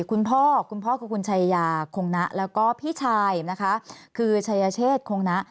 คุณพ่อคุณพ่อก็คุณชัยยาคงนะแล้วก็พี่ชายคือชายเชศคงนะ